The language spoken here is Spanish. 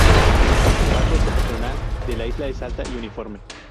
En su parte septentrional de la isla es alta y uniforme.